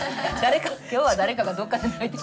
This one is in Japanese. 今日は誰かがどっかで泣いてる。